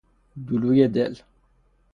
دولوی دل